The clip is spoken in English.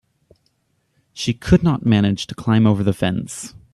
She could not manage to climb over the fence.